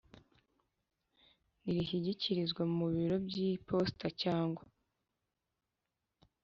nirishyikirizwa ku biro by iposita cyangwa